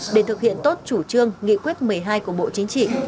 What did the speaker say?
để thực hiện tốt chủ trương nghị quyết một mươi hai của bộ chính trị